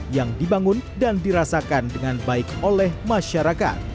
yang dibangun dan dirasakan dengan baik oleh masyarakat